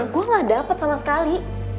gue gak dapat sama sekali